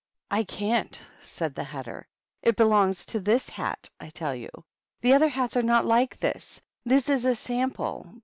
" I can't," said the Hatter. " It belongs to this hat, I tell you. The other hats are not like this ; this is a sample.